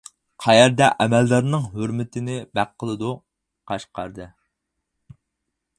قەيەردە ئەمەلدارنىڭ ھۆرمىتىنى بەك قىلىدۇ؟ قەشقەردە.